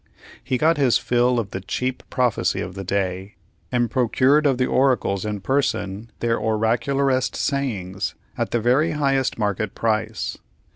He got his fill of the cheap prophecy of the day, and procured of the oracles in person their oracularest sayings, at the very highest market price.